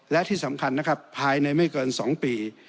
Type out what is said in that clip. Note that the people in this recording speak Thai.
และที่สำคัญนะครับภายในไม่เกิน๒ปี